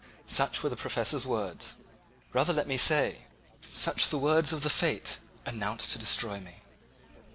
Such were the professor's words—rather let me say such the words of the fate—enounced to destroy me.